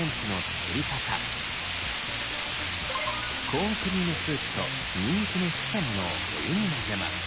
コーンクリームスープとにんにくのすったものをお湯に混ぜます。